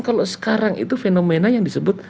kalau sekarang itu fenomena yang disebut